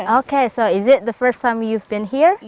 oke jadi ini pertama kali kamu datang ke sini